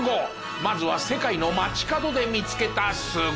まずは世界の街角で見つけたスゴ技超人！